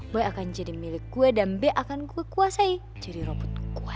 boy akan jadi milik gue dan b akan gue kuasai jadi robot gue